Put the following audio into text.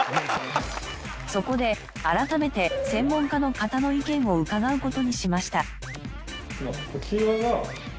そこで改めて専門家の方の意見を伺う事にしました。